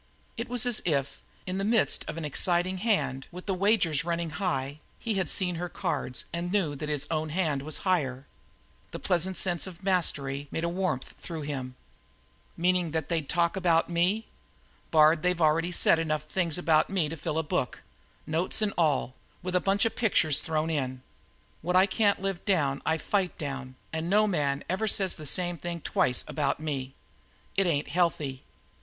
It was as if, in the midst of an exciting hand, with the wagers running high, he had seen her cards and knew that his own hand was higher. The pleasant sense of mastery made a warmth through him. "Meaning that they'd talk about me? Bard, they've already said enough things about me to fill a book notes and all, with a bunch of pictures thrown in. What I can't live down I fight down, and no man never says the same thing twice about me. It ain't healthy.